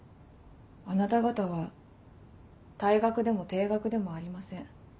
あなた方は退学でも停学でもありません。